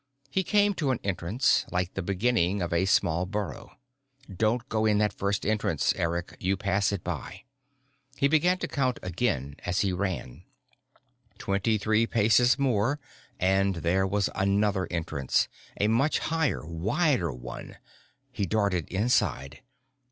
_ He came to an entrance, like the beginning of a small burrow. Don't go in that first entrance, Eric; you pass it by. He began to count again as he ran. Twenty three paces more, and there was another entrance, a much higher, wider one. He darted inside.